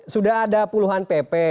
sudah ada puluhan pp